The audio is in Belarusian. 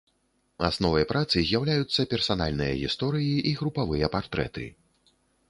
Асновай працы з'яўляюцца персанальныя гісторыі і групавыя партрэты.